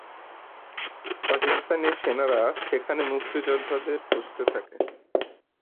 পাকিস্তানি সেনারা সেখানে মুক্তিযোদ্ধাদের খুঁজতে থাকে।